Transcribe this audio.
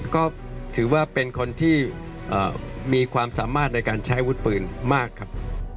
ก็ถือว่าเป็นคนที่มีความสามารถในการใช้วุฒิปืนมากครับ